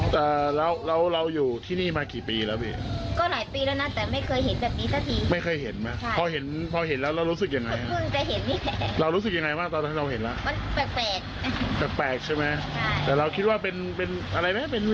คิดว่าเป็นอะไรมั้ยเป็นวิญญาณหรือเป็นอะไรมั้ย